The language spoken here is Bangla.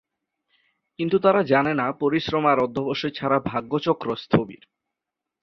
কিন্তু তারা জানে না পরিশ্রম আর অধ্যবসায় ছাড়া ভাগ্যচক্র স্থবির।